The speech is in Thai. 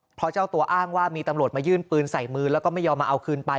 เพราะเจ้าตัวอ้างว่ามีตำรวจมายื่นปืนใส่มือแล้วก็ไม่ยอมมาเอาคืนไป